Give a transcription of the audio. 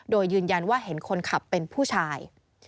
โดยยืนยันว่าเห็นคนขับเป็นผู้ชาย